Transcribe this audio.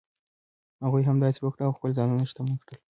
هغوی همداسې وکړل او خپل ځانونه شتمن کړل.